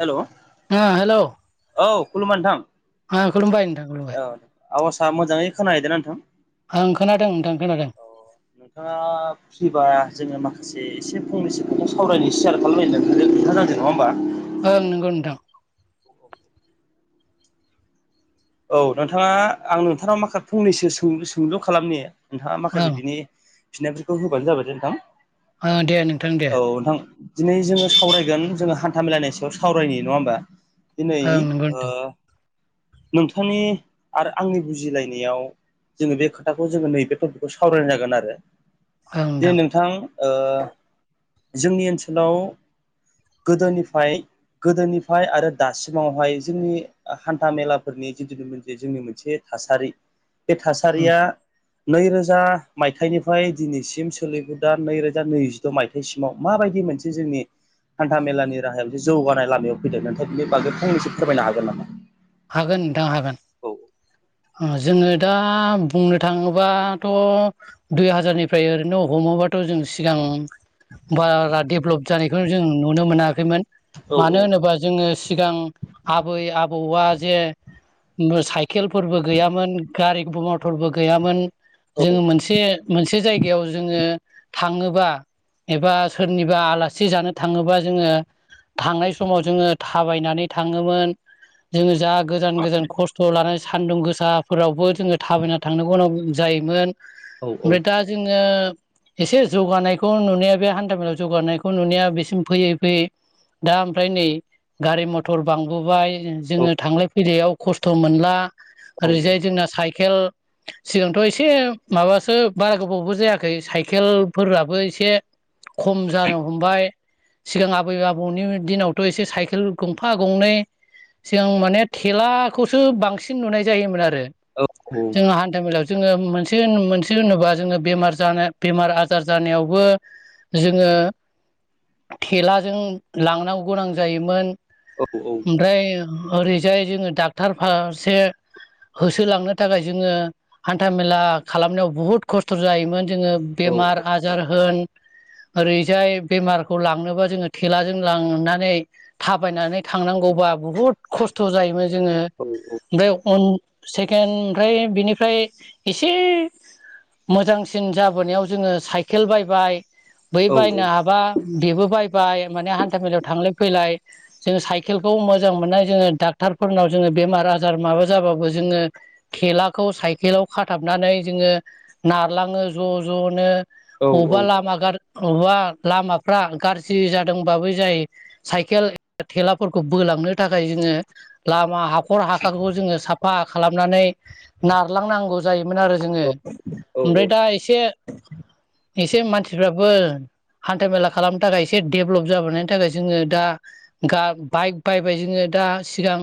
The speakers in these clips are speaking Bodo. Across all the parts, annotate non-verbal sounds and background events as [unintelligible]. हेलौ ओ हेलौ औ खुलुमा नोंथां ओ खुमबाय नोंथां खुलुमबाय आवखसा मोजाङै खोनाहैदों नोंथां ओं खोनादों नोंथां खोनादों नोंथाङा फ्रिबा जोङो माखासे एसे फंनैसोखौखौ सावरायनायनि सेयार खालामैथ होनांदों नङा होमबा ओ नोगौ नोंथां औ नोंथाङा आं नोंथांनाव माखा फंनैसो सों सोंलु खालामनि नोंथाङा माखासे ओं बिनि फिन्नायफोरखौ होबानो जाबाय दे नोंथां दे नोंथां दे औ नोंथां दिनै जोङो सावरायगोन जोङो हान्था मलायनि सायाव सावरायनाय नङा होमबा दिनै ओं नंगौ ओ नोंथां नोंथांनि आरो आंनि बुजिलायनायाव जोङो बे खोथाखौ जोङो नैबे टपिकखौ सावरायनाय जागोन आरो दे नोंथां जोंनि ओनसोलाव गोदोनिफ्राय गोदोनिफ्राय आरो दासिमावहाय जोंनि हान्था मेला फोरनि जिथु जे जोंनि मोनसे थासारि बे उम थासारिया नैरोजा मायथाइनिफ्राय दिनैसिम सोलिबोदा नैरोजा नैजिद मायथाइसिमाव माबायदि मोनसे जोंनि हान्था मेलानि राहाया मोनसे जौगानाय लामायाव फैदों नोंथाय बिनि बागै फंनैसो फोरमायनो हागोन नामा हागोन नोंथां हागोन औ जोङो दा बुंनो थाङोबाथ दुइ हाजारनिफ्राय ओरैनो हमोबा थ जों सिगां बारा देभेलप जानायखौनो जों नुनो मोनाखै औ मानो होनोबा जोङो सिगां आबै आबौआ जे साइकेलफोरबो गैयामोन गारिबो मथरबो गैयामोन औ जोङो औ मोनसे मोनसे जायगायाव जोङो थाङोबा एबा सोरनिबा आलासि जानो थाङोबा जोङो थांनाय समाव जोङो थाबायनानै थाङोमोन जोङो जा गोजान गोजान खस्थ लानाय सान्दुं गोसाफोरावबो जोङो थाबायना थांनो गोनां जायोमोन ओमफ्राय दा जोङो एसे जौगानायखौ नुनाया बे हान्थामेलायाव जौगानायखौ नुनाया बेसिम फैयै फैयै दा ओमफ्राय नै गारि मथर बांबोबाय जोङो थांलाय फैलायाव खस्थ मोनला औ ओरैजाय जोंना साइकेल सिगांथ एसे माबासो बारा गोबावबो जायाखै साइकेलफोराबो एसे खम जानो हमबाय सिगां आबै आबौनि दिनावथ एसे साइकेल गंफा गंनै सिगां म माने थेलाखौसो बांसिन नुनाय जायोन आरो औ औ औ जों हान्था मेलायाव जोङो मोनसे मोनसे होनोबा जोङो बेमार जानो बेमार आजार जानायावबो जोङो थेलाजों लांनांगौ गोनां जायोमोन ओमफ्राय ओरैजाय जोङो डक्टर फारसे होसोलांनो थाखाय जोङो हान्था मेला खालामनायाव बुहुत खस्थ' जायोमोन। जोङो बेमार आजार होन [inaudible] ओरैजाय बेमारखौ लांनोबा जोङो थेलाजों लांनानै थाबायनानै थांनांगौबा बुहुत खस्थ' जायोमोन जोङो बे उन सेकेन्ड ओमफ्राय बिनिफ्राय एसे मोजांसिन जाबोनायाव जोङो साइकेल बायबाय बै बायनो हाबा बेबो बायबाय माने हान्थामेलायाव थांलाय फैलाय जों साइकेलखौ मोजां मोननाय जोङो डाक्टारफोरनाव जोङो बेमार आजार माबा जाबाबो जोङो थेलाखौ साइकेलाव खाथाब नानै जोङो नारलाङो ज' ज'नो बबेवबा औ लामा गार अबा लामाफ्रा गाज्रि जादोंबाबो जाय साइकेल थेलाफोरखौ बोलांनो थाखा थाखाय जोङो लामा हाखर हाखारखौ जोङो साफ खहा खालामनानै नारलांनांगौ जायो। मोन आरो जोङो औ औ औ ओमफ्राय दा एसे एसे मानसिफ्राबो हान्था मेला खालामनो थाखाय एसे दडेभेलप जाबोनायनि थाखाय जोङो दा बाइक बायबाय जोङो दा सिगां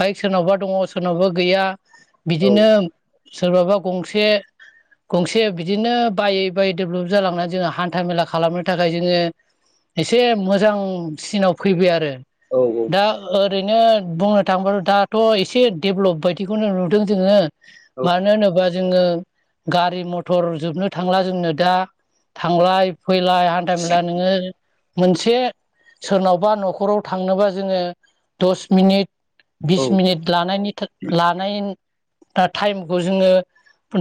बाइक सोरनावबा दङ सोरनावबा गैया औ बिदिनो सोरबाबा गंसे गंसे बिदिनो बायै बायै डेभलप जालांनानै जोङो हान्था मेला खालामनो थाखाय जोङो एसे मोजांसिनाव फैबाय आरो औ दा ओ ओरैनो बुंनो थांबाथ' दाथ' एसे डेभलप बायदिखौनो नुदों जोङो औ मानो होनोला जोङो गारि मटर जोबनो थांला जोंनो दा थांलाय फैलाय हान्था मेला नोङो मोनसे सोरनावबा न'खराव थांनोबा जोङो दस मिनिट औ बिस मिनिट लानायनि लानाय दा टाइमखौ जोङो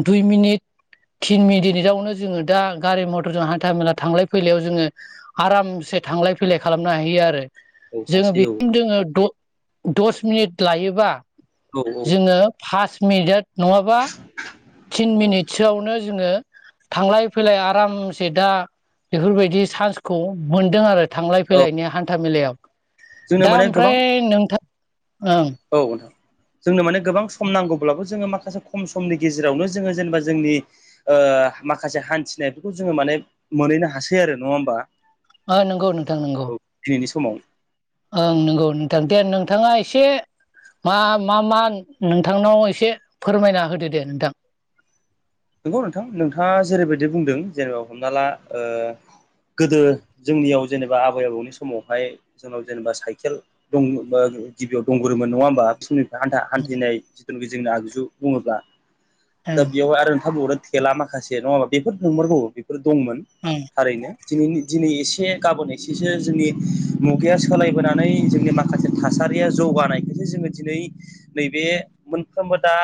दुइ मिनिट थिन मिनिटावनो जोङो दा गारि मथरजों हान्था मेला थांलाय फैलायाव जोङो आराम से थांलाय फैलाय खालामनो हायो आरो औ जोङो हासै औ बेखौ जोङो द दस मिनिट लायोबा औ औ जोङो फास मिनिटाव नङाबा थिन मिनिटसोआवनो जोङो थांलाय फैलाय आरामसे दा बेफोरबायदि चान्सखौ मोनदों आरो थांलाय औ फैलायनि हान्था मेलायाव जोंनो दा माने गोबां ओमफ्राय नोंथां ओं औ नोंथां जोंनो माने गोबां सम नांगौब्लाबो जोङो माख खासे खम समनि गेजेरावनो जोङो जेनेबा जोंनि माखासे हान्थिनायफोरखौ जोङो माने मोनहैनो हासै आरो नङा होमबा औ नंगौ नोंथां नंगौ औ दिनैनि समाव ओं नंगौ नोंथां दे नोंथाङा एसे मा मा मा नोंथांनाव एसे फोरमायना होदो दे नोंथां नंगौ नोंथां नोंथाङा जेरैबायदि बुंदों जेनेबा हमना ला ओ गोदो जोंनियाव जेनेबा आबै आबौनि समावहाय जोंनाव जेनेबा साइकेल दङ बा [unintelligible] गिबियाव दंरोमोन नङा होमबा [unintelligible] हान्था ओं हान्थिनाय जिथुनाखि जोंनि आगजु बुङोब्ला ओं दा बियाव आरो हाबुयावर [unintelligible] थेला माखासे नङाबा बेफोर नंमारगौ बेफोर दंमोन ओं थारैनो दिन दिनै एसे गाबोन एसेसो जोंनि मुगाया सोलायबोनानै जोंनि माखासे थासा रि जौगानायखायसो जोङो दिनै नैबे मोनफ्रोमबो दा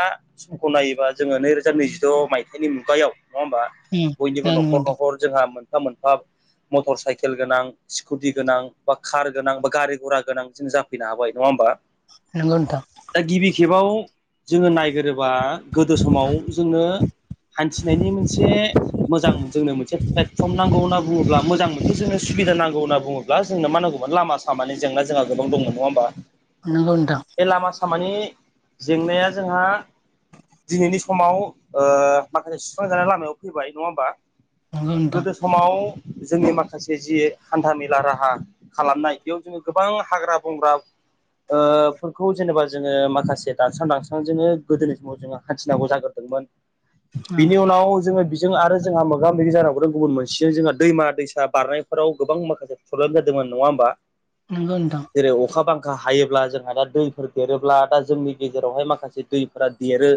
सम होलायोबा जोङो नैरोजा नैजिद' मायथाइनि मुगायाव नङा होमबा ओं बयनिबो नंगौ न'खर नोंथां न'खर जोंहा मोनफा मोनफा मटर साइकेल गोनां स्कुटि गोनां बा कार गोनां बा गारि घरा गोनां जों जाफैनो हाबाय नङा होमबा नंगौ नोंथां दा गिबि खेबाव जोङो नायगोरोबा गोदो समाव जोङो हान्थिनायनि मोनसे मोजां जोंनो मोनसे प्लेटफर्म नांगौ होनना बुङोब्ला मोजां मोनसे जोंनो सुबिदा नांग होनना बुोब्ला जोंनो मा नांगौमोन लामा सामानि जेंना जों गोबां दं नङा होमबा नंगौ नोंथां खामानि जेंनाया जोंहा दिनैनि समाव ओ माखासे सुस्रांजानाय लामायाव फैबाय नङा होमबा नंगौ नोंथां गोदो समाव जोंनि माखासे जि हान्था मेला राहा खालामनाय बेयाव जोङो गोबां हाग्रा बंग्रा ओ फोरखौ जेनेबा जोङो माखासे दानस्रां दानस्रां जोङो गोदोनि समाव जोङो हान्थिनांगौ जागोन मोन बिनि उनाव जोङो जों आरो जोंहा मोगा मोगि जानांगौदों गुबुन मोनसेजों जोंहा दैमा दैसा बारनायफोराव गोबां माखासे प्रब्लेम जादोंमोन। नङा होमबा नंगौ नोंथां जेरै अखा बां खा हायोब्ला जोंहा दा दैफोर देरोब्ला दा जोंनि गेजेरावहाय माखासे दैफोरा देरो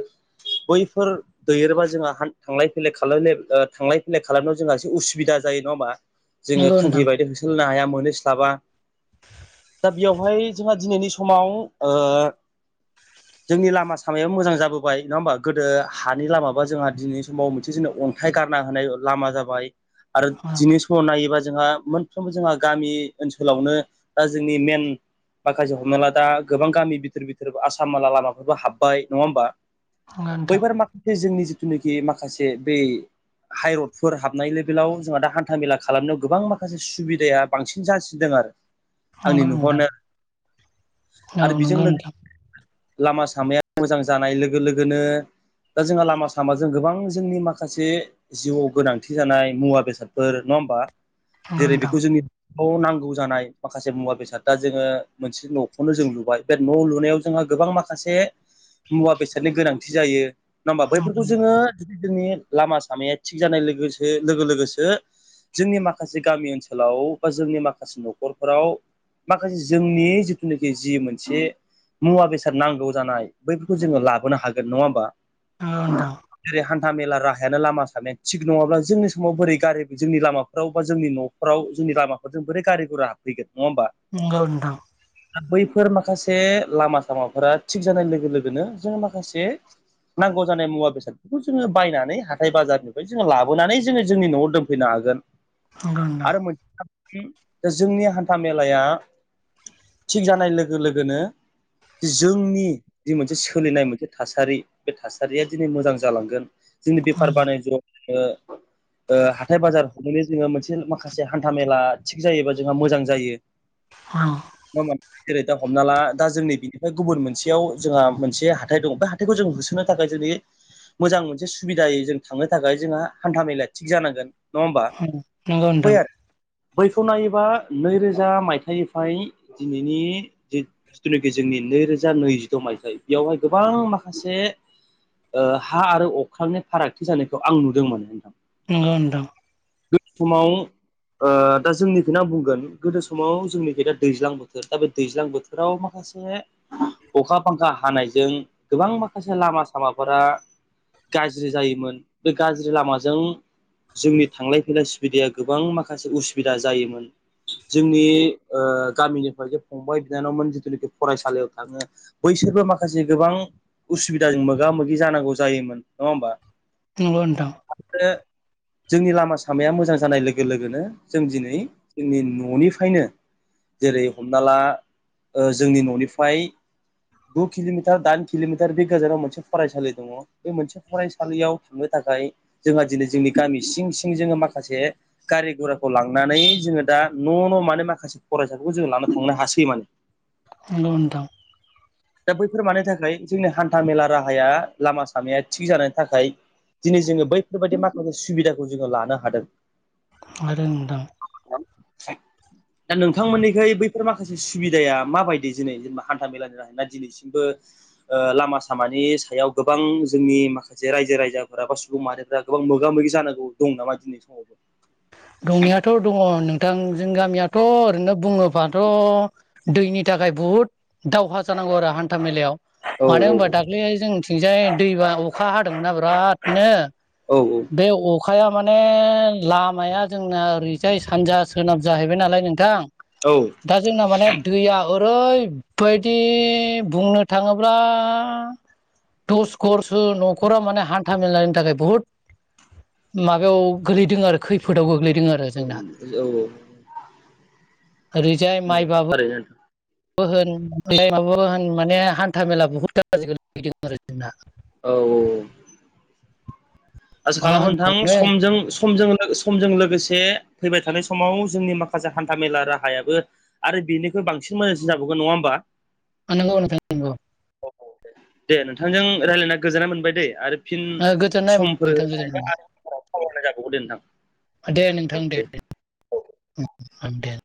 बै फोर दैबा जोंहा थांलाय फैलाय थांलाय फैलाय खालामनायाव जोंहा एसे उसुबिदा जायो नङा होमबा जोङो नंगौ नोंथां थांखि बायदि होसोलांनो हाया मोनहैस्लाबा [inaudible] बेवहाय जोंहा दिनैनि समाव ओ जोंनि लामा सामायाबो मोजां जाबोबाय नङा होमबा गोदो हानि लामाबा जोंहा दिनैनि समाव मोनसे जेननो अन्थाइ गारना होनाय लामा जाबाय आरो दिनै औ समाव नायोबा जोंहा मोनफ्रोमबो जोंहा गामि ओनसोलावनो दा जोंनि मेन माखासे हमना ला दा गोबां गामि बिथोर बिथोर आसाम [unintelligible] लामाफोरबो हाब्बाय नङा होमबा नंगौ नोंथां बैफोर माखासे जोंनि जिथुनाखि माखासे बै हाइरडफोर हाबनाय लेभेलाव जोंहा दा हान्था मेला खालामनायाव गोबां माखासे सुबिदाया बांसिन जासिदों आरो आंनि नंगौ नोंथां नुहरनो औ नंगौ नोंथां लामा सामाया मोजां जानाय लोगो लोगोनो दा जोंहा लामा सामाजों गोबां जोंनि माखासे जिउआव गोनांथि जानाय मुवा बेसादफोर नङा होम बा जेरै बेखौ जोंनि न'आव नांगौ जानाय माखासे मुवा बेसाद दा जोङो मोनसे न'खौनो जों लुबाय बे न' लुनायाव जोंङो गोबां माखासे मुवा बेसादनि गोनांथि जायो नङा होमबा बैफोरखौ जोङो जोंनि लामा सामाया थिग जानाय लोगोसो लोगो लोगोसो जोंनि माखासे गामि ओनसोलाव बा जोंनि माखासे न'खरफोराव माखासे जोंनि जिथुनाखि जि मोनसे मुवा बेसाद नांगौ जानाय बैफोरखौ जोङो लाबोनो हागोन नङा होमबा औ नोंथां जेरै हान्था मेला राहायानो लामा सामाया थिग नङाब्ला जोंनि समाव बोरै गारि जोंनि लामाफ्राव बा जोंनि न'फ्राव लामाफोर ज बोरै गारि गुरा होैगोन नङा होमबा नंगौ नोंथां बैफोर माखासे लामा सामाफोरा थिग जानाय लोगो लोगोनो जोङो माखासे नांगौ जानाय मुवा बेसादफोरखौ जोङो बायनानै हाथाय बाजारनिफ्राय जोङो लाबोनानै जोङो जोंनि न'आव दोनफैनो हागोन। नंगौ नोंथां नंगौ आरो नोंथां मोनसे खोथाया जोंनि हान्था मेलाया थिग जानाय लोगो लोगोनो जोंनि जि मोनसे सोलिनाय मोनसे थासारि बे थासारिया दिनै मोजां जालांगोन जोंनि बेफार बान [unintelligible] हाथाय बाजार हमनानै जोङो मोनसे माखासे हान्था मेला थिग जायोबा जोंहा मोजां जायो। औ जेरै दा हमना ला दा जोंनि बिनिफ्राय गुबुन मोनसेयाव जोंहा मोनसे हाथाय दङ बे हाथायखौ जों होसो थो थाखाय जोंनि मोजां मोनसे सुबिदायै जों थांनो थाखाय जोंहा हान्था मेलाया थिग जानांगोन नङा होमबा [unintelligible] बै नोंथां आरो बैखौ नायोबा नैरोजा मायथाइनिफ्राय दिनैनि जिथुनाखि जोंनि नैरोजा नैजिद' मायथाइ बेयावहाय गोबां माखासे हा आरो अख्रांनि फारागथि जानायखौ आं नुदोंमोन नोंथां नंगौ नोंथां समाव दा जोंनिफ्रायनो आं बुंगोन गोदो समाव जोंनिफ्राय दा दैज्लां बोथोर दा बे दैज्लां बोथोराव माखासे माखासे अखा बांखा हानायजों गोबां माखासे लामा सामाफोरा गाज्रि जायोमोन बे गाज्रि लामाजों जोंनि थांलाय फैलाय सुबिदाया गोबां माखासे उसुबिदा जायोमोन जोंनि गामिनिफ्राय जे फंबाय बिनानावमोन जिथुनाखि फरायसालियाव थाङो बै बिसोरबो माखासे गोबां उसुबिदाजों मोगा मोगि जानांगौ जायोमोन नङा होमबा नंगौ नोंथां हो जोंनि लामा सामाया मोजां जानाय लोगो लोगोनो जों दिनै जोंनि न'निफ्रायनो जेरै हमना ला जोंनि न'निफ्राय गु खिलमिटार दाइन खिलमिटार बे गोजानाव मोनसे फरायसालि दङ बे मोनसे फरायसालियाव थांनो थाखाय जोंहा दिनै जोंनि गामि सिं सिं जोङो माखासे गारि गराखौ लांनानै जोङो दा न' न' मानो माखासे फरायसा जों लानो थांनो हासै माने नंगौ नोंथां दा बैफोर मानि थाखाय जोंनि हान्था मेला राहाया लामा सामाया थिग जानायनि थाखाय दिनै जोङो बैफोरबायदि माखासे सुबिदाखौ जोङो लानो हादों हादों नोंथां [inaudible] दा नोंथांमोननिखाय बैफोर माखासे सुबिदाया माबायदि दिै जेनेबा हान्था मेलानि थाखाय न दिनैसिमबो लामा सामानि सायाव गोबां जोंनि माखासे रायजो राजाफोरा बा मारिफ्रा गोबां मोगा मोगि जानांगौ दं नामा दिनै समावबो दंनायाथ' दङ नों जों गामियाथ' ओरैनो बुङोबाथ' दैनि थाखाय बहुद दावहा जानांगौ आरो हान्था मेलायाव औ मानो होनबा औ दाख्लैहाय जोंनिथिंजाय दैबा अखा हादोंमोन नना बिरादनो औ बे अखा खाया माने लामाया जोंना ओरैजाय सानजा सोनाब जाहैबाय नालाय नोंथां औ दा जोंना माने दैया ओरै बेबायदि बुंनो थाङोब्ला दसकरसो न'खरा माने हान्था मेलानि थाखाय बुहुत माबायाव गोलैदों आरो खैफोदाव गोग्लैदों दों आरो जोंना औ ओरैजाय नंगौ माइबाबो थारैनो नोंथां होन माबा होन माने हान्था मेला बहुद गाज्रि जादों आरो जोंना औ औ आसा मा खालामो नोंथां होनबावनो सम समजों लोगोसे फैबाय थानाय समाव जोंनि माखासे हान्था मेला राहायाबो आरो बेनिखौ बांसिन मोजांसिन जाबावगोन नङा होमबा औ नंगौ नोंथां औ औ दे दे नोंथांजों रायज्लायना गोजोननाय मोनबाय दैे आरो फिन गोजोननाय नोंथां गोजोननाय मोनबाय औ जाथबायदे नोंथां दे नोंथां दे दे